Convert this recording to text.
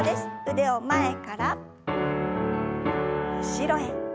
腕を前から後ろへ。